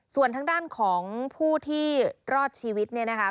ส่วนทางด้านของผู้ที่รอดชีวิตเนี่ยนะคะ